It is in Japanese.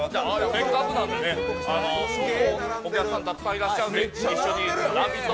せっかくなんで、お客さんたくさんいらっしゃるんで、一緒にラヴィット！